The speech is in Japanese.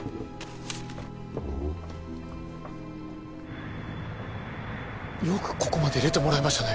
おおっよくここまで入れてもらえましたね